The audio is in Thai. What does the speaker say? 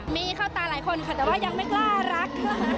มีเข้าตาหลายคนค่ะแต่ว่ายังไม่กล้ารัก